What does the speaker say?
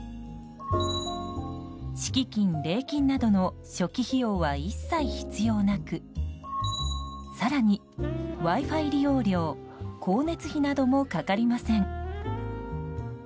敷金・礼金などの初期費用は一切必要なく更に、Ｗｉ‐Ｆｉ利用料光熱費などもかかりません。